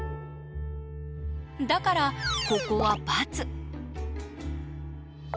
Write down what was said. だからここはバツ。